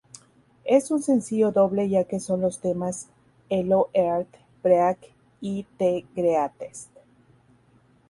Es un sencillo doble ya que son los temas Hello Heartbreak y The Greatest.